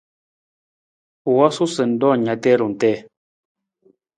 U wosu sa ng roon na tarung tii.